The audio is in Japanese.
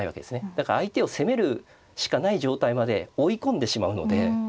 だから相手を攻めるしかない状態まで追い込んでしまうので。